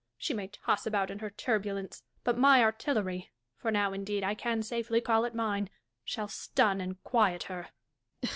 She may toss about in her turbulence ; but my artilleiy (for now, indeed, I can safely call it mine) shall stun and quiet her.